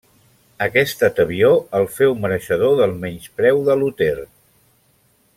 Aquesta tebior el féu mereixedor del menyspreu de Luter.